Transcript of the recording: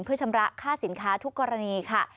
เพื่อชำระค่าสินค้าทุกกรณีค่ะ